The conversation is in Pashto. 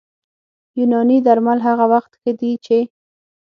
یوناني درمل هغه وخت ښه دي چې